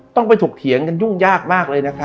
ต้องไปถกเถียงกันยุ่งยากมากเลยนะคะ